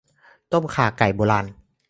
ต้มข่าไก่โบราณ